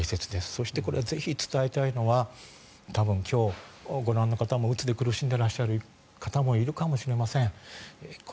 そしてこれ、ぜひ伝えたいのは多分、今日、ご覧の方もうつで苦しんでいらっしゃる方もいるかもしれません。